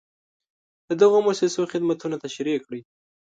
د دغو مؤسسو خدمتونه تشریح کړئ.